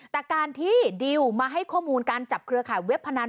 แต่การที่ดิวมาให้ข้อมูลการจับเครือข่ายเว็บพนัน